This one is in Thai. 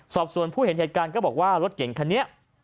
สอบส่วนผู้เห็นเหตุการณ์ก็บอกว่ารถเก่งคันนี้